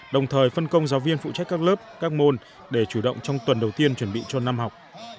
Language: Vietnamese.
đồng thời phân công giáo viên phụ trách các lớp các môn để chủ động trong tuần đầu tiên chuẩn bị cho năm học